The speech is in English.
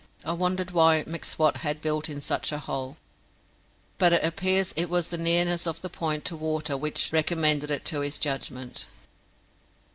I wondered why M'Swat had built in such a hole, but it appears it was the nearness of the point to water which recommended it to his judgment.